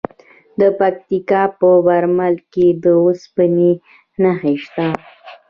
د پکتیکا په برمل کې د اوسپنې نښې شته.